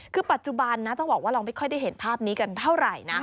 คือปัจจุบันนะต้องบอกว่าเราไม่ค่อยได้เห็นภาพนี้กันเท่าไหร่นะ